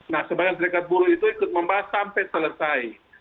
nah sebagian serikat buruh itu ikut membahas sampai selesai